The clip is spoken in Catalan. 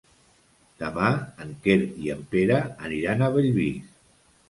Demà en Quer i en Pere aniran a Bellvís.